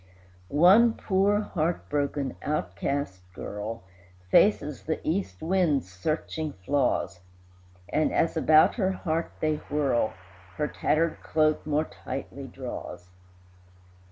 One poor, heart broken, outcast girl Faces the east wind's searching flaws, And, as about her heart they whirl, Her tattered cloak more tightly draws.